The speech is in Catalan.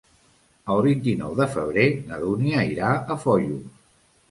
El vint-i-nou de febrer na Dúnia irà a Foios.